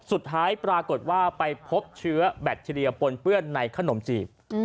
สุดท้ายปรากฏว่าไปพบเชื้อแบคทีเรียปนเปื้อนในขนมจีบ